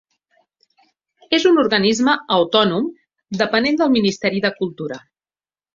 És un organisme autònom depenent del Ministeri de Cultura.